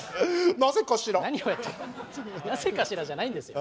「なぜかしら？」じゃないんですよ。